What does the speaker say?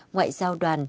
ngoại giao đoàn